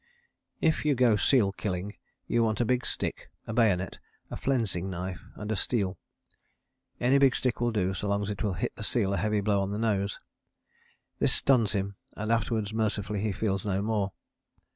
If you go seal killing you want a big stick, a bayonet, a flensing knife and a steel. Any big stick will do, so long as it will hit the seal a heavy blow on the nose: this stuns him and afterwards mercifully he feels no more.